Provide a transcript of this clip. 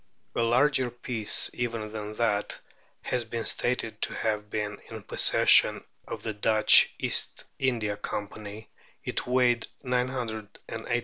A larger piece even than that has been stated to have been in the possession of the Dutch East India Com pany ; it weighed 982 Ibs.